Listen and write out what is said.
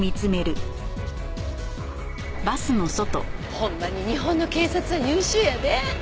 ほんまに日本の警察は優秀やで。